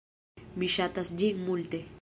Mi ŝatas ĝin multe!